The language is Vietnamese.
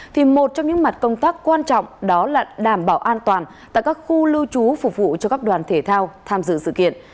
thì một trong những mặt công tác quan trọng đó là đảm bảo an toàn tại các khu lưu trú phục vụ cho các đoàn thể thao tham dự sự kiện